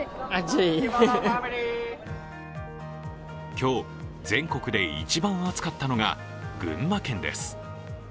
今日、全国で一番暑かったのが群馬県です。